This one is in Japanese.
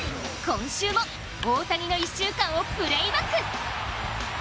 今週も大谷の１週間をプレイバック。